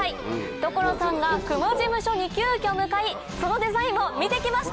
所さんが隈事務所に急きょ向かいそのデザインを見てきました！